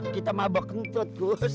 kita mabok kentut kos